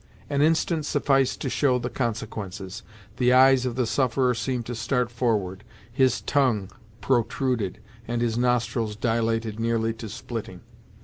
An instant sufficed to show the consequences. The eyes of the sufferer seemed to start forward, his tongue protruded, and his nostrils dilated nearly to splitting.